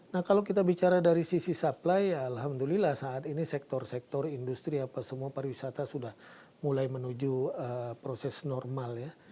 nah kalau kita bicara dari sisi supply ya alhamdulillah saat ini sektor sektor industri apa semua pariwisata sudah mulai menuju proses normal ya